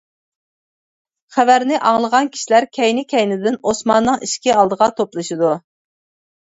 خەۋەرنى ئاڭلىغان كىشىلەر كەينى-كەينىدىن ئوسماننىڭ ئىشىكى ئالدىغا توپلىشىدۇ.